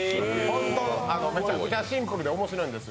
めちゃくちゃシンプルで面白いんです。